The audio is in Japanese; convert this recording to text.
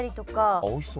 あっおいしそう。